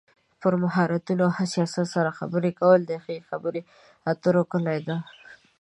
پر مهارتونو او حساسیت سره خبرې کول د ښې خبرې اترو کلي ده.